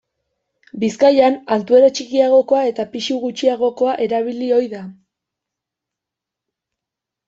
Bizkaian altuera txikiagokoa eta pisu gutxiagokoa erabili ohi da.